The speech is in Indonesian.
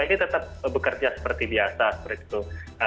ini tetap bekerja seperti biasa